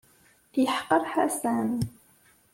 Yeḥqer Ḥasan.